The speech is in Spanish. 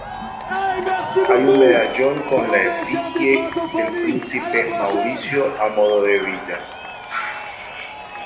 Hay un medallón con la efigie del príncipe Mauricio a modo de hebilla.